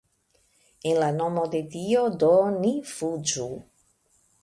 En la nomo de Dio do, ni fuĝu.